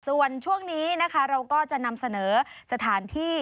ส่วนช่วงนี้นะคะเราก็จะนำเสนอสถานที่